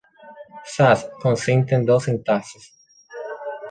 Sass consiste en dos sintaxis.